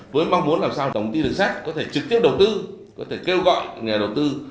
với mong muốn làm sao tổng công ty đường sắt có thể trực tiếp đầu tư có thể kêu gọi nhà đầu tư